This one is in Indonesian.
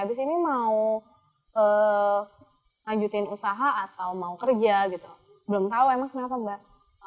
abis ini mau lanjutin usaha atau mau kerja gitu belum tahu emang kenapa mbak